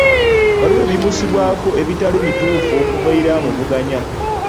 Waliwo ebimusibwako ebitali bituufu okuva eri amuvuganya.